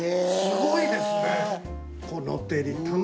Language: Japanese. すごいですね！